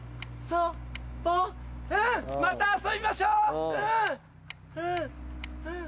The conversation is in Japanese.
うんまた遊びましょうん。